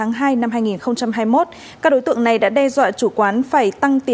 nhóm trên một số đối tượng khác đã đến bắt